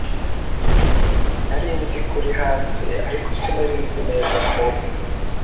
nari nzi ko uri hanze ariko sinari nzi neza aho